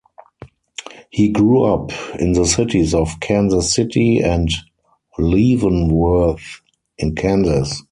He grew up in the cities of Kansas City and Leavenworth in Kansas.